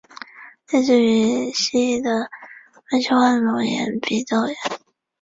类似于西医的慢性化脓性鼻窦炎。